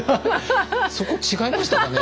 そこ違いましたかね？